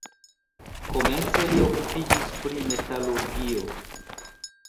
Komence li okupiĝis pri metalurgio.